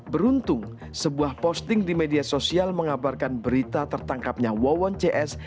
beruntung sebuah posting di media sosial mengabarkan berita tertangkapnya wawon cs